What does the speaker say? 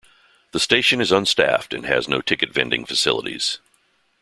The station is unstaffed, and has no ticket vending facilities.